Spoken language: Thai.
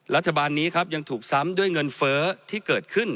รัฐบาลนี้ครับยังถูกซ้ำด้วยเงินเฟ้อที่เกิดขึ้น